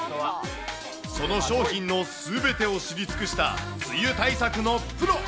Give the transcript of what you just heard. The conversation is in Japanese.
その商品のすべてを知り尽くした梅雨対策のプロ。